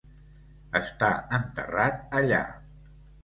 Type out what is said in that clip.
Està enterrat allà.